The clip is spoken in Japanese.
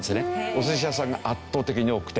お寿司屋さんが圧倒的に多くて。